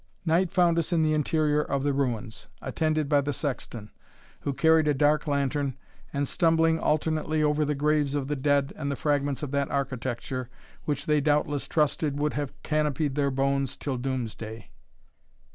Night found us in the interior of the ruins, attended by the sexton, who carried a dark lantern, and stumbling alternately over the graves of the dead, and the fragments of that architecture, which they doubtless trusted would have canopied their bones till doomsday.